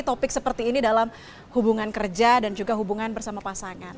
topik seperti ini dalam hubungan kerja dan juga hubungan bersama pasangan